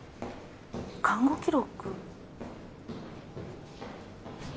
看護記録